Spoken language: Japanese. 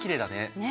ねえ。